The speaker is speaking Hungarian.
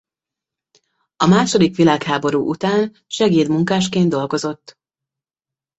A második világháború után segédmunkásként dolgozott.